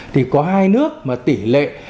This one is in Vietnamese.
thì có hai nước mà tỷ lệ